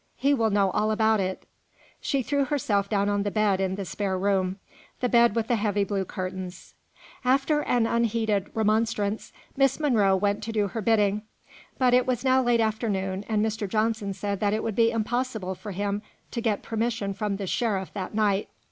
He will know all about it." She threw herself down on the bed in the spare room; the bed with the heavy blue curtains. After an unheeded remonstrance, Miss Monro went to do her bidding. But it was now late afternoon, and Mr. Johnson said that it would be impossible for him to get permission from the sheriff that night.